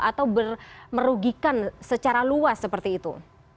atau merugikan secara luas seperti itu